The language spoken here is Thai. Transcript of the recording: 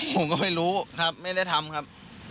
ผมก็ไม่รู้ครับไม่ได้ทำครับ